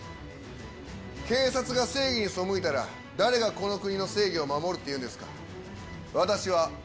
警察が正義に背いたら、誰がこの国の正義を守るというんですか。